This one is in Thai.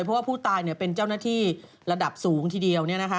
เพราะว่าผู้ตายเป็นเจ้าหน้าที่ระดับสูงทีเดียว